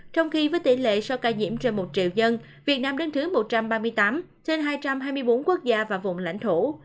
trong khi với tỷ lệ sau ca nhiễm trên một triệu dân việt nam đứng thứ một trăm ba mươi tám trên hai trăm hai mươi bốn quốc gia và vùng lãnh thổ